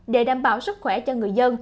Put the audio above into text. để đảm bảo sức khỏe cho người dân